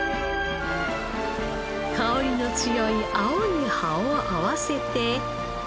香りの強い青い葉を合わせて。